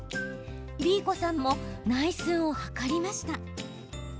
Ｂ子さんも内寸を測りました。